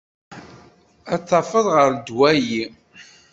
Ad tafeḍ ɣer ddwa-yi.